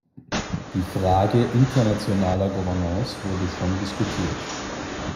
Die Frage internationaler Governance wurde schon diskutiert.